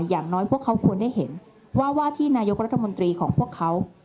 อย่างน้อยพวกเขาควรได้เห็นว่าว่าที่นายกรัฐมนตรีของพวกเขา